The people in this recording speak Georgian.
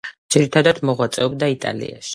ძირითადად მოღვაწეობდა იტალიაში.